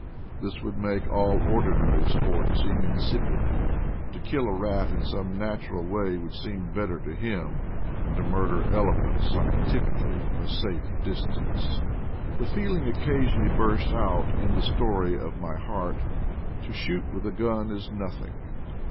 This would make all ordinary sport seem insipid; to kill a rat in some natural way would seem better to him than to murder elephants scientifically from a safe dis tance. The feeling occasionally bursts out in the Story of My Heart: " To shoot with a gun is noth ing.